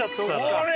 これ。